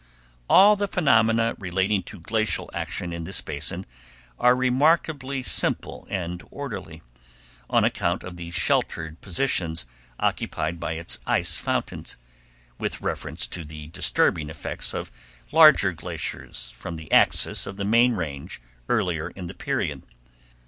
All the phenomena relating to glacial action in this basin are remarkably simple and orderly, on account of the sheltered positions occupied by its ice fountains, with reference to the disturbing effects of larger glaciers from the axis of the main Range earlier in the period.